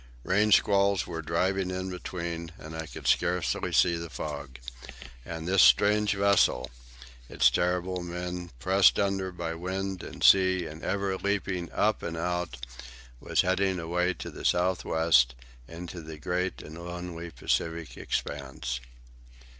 Rain squalls were driving in between, and I could scarcely see the fog. And this strange vessel, with its terrible men, pressed under by wind and sea and ever leaping up and out, was heading away into the south west, into the great and lonely Pacific expanse.